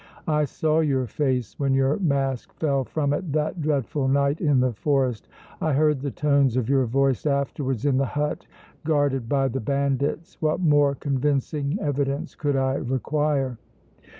I saw your face when your mask fell from it that dreadful night in the forest! I heard the tones of your voice afterwards in the hut guarded by the bandits! What more convincing evidence could I require?"